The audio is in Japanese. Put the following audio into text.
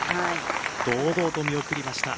堂々と見送りました。